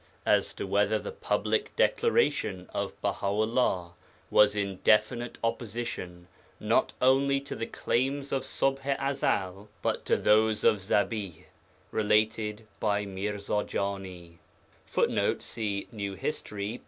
as to whether the public declaration of Baha 'ullah was in definite opposition, not only to the claims of Ṣubḥ i Ezel, but to those of Zabiḥ, related by Mirza Jani, [Footnote: See NH, pp.